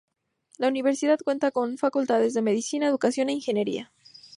La universidad cuenta con facultades de Medicina, educación e ingeniería.